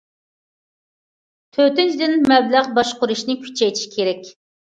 تۆتىنچىدىن، مەبلەغ باشقۇرۇشنى كۈچەيتىش كېرەك.